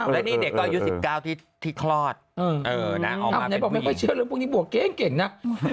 แล้วนี้เด็กก็อยู่๑๙ที่คลอดเออนะเอามาเป็นวิ่งไหนบอกไม่ค่อยเชื่อเรื่องพวกนี้บวกเก่งนะ